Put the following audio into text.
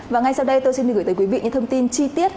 và ngay sau đây tôi xin được gửi tới quý vị những thông tin chi tiết